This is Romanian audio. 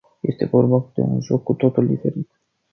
Este vorba de un joc cu totul diferit.